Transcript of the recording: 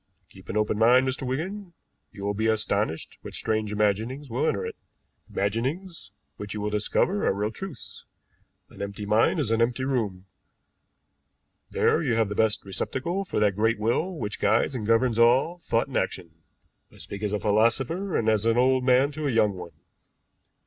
Keep an open mind, Mr. Wigan; you will be astonished what strange imaginings will enter it imaginings which you will discover are real truths. An empty mind in an empty room, there you have the best receptacle for that great will which guides and governs all thought and action. I speak as a philosopher, and as an old man to a young one.